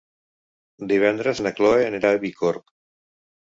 Divendres na Chloé anirà a Bicorb.